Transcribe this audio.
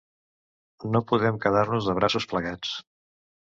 No podem quedar-nos de braços plegats.